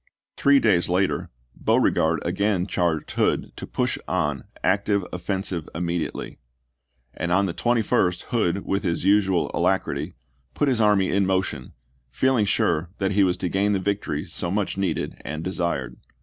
Three days later Beauregard again charged Hood to " push on active offensive immediately," and on the 21st, Hood, with his usual alacrity, put his army in motion, feeling sure that he was to gain the victory so much needed and desired.